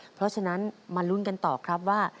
เพราะฉะนั้นมาลุ้นกันต่อครับว่า